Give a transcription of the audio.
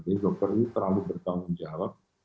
jadi dokter ini terlalu bertanggung jawab